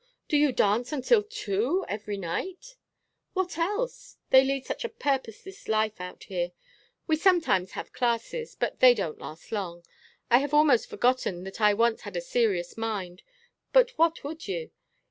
Do you dance until two every night?" "What else? They lead such a purposeless life out here. We sometimes have classes but they don't last long. I have almost forgotten that I once had a serious mind. But what would you?